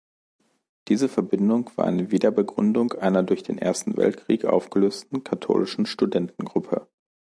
Diese Verbindung war eine Wiederbegründung einer durch den Ersten Weltkrieg aufgelösten katholischen Studentengruppe.